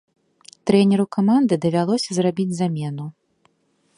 Трэнеру каманды давялося зрабіць замену.